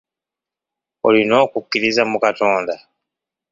Olina okukkiriza mu Katonda?